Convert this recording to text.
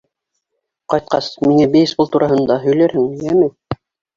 Ҡайтҡас, миңә бейсбол тураһында һөйләрһең, йәме.